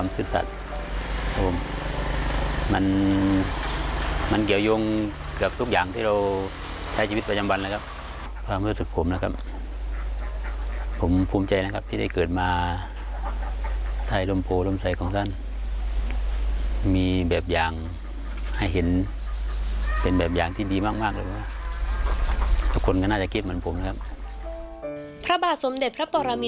พระบาทสมเด็จพระปรมิณมหาผู้มิพลอดุลยเดช